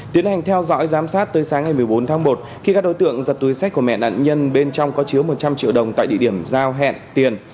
tiến hành theo dõi giám sát tới sáng ngày một mươi bốn tháng một khi các đối tượng giật túi sách của mẹ nạn nhân bên trong có chứa một trăm linh triệu đồng tại địa điểm giao hẹn tiền